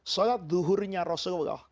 solat duhurnya rasulullah